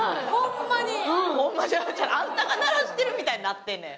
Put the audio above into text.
あんたが慣らしてるみたいになってんねん。